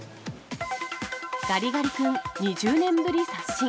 ガリガリ君、２０年ぶり刷新。